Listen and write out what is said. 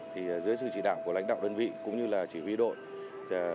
thì dưới sự chỉ đạo của lãnh đạo đơn vị cũng như là chỉ huy đội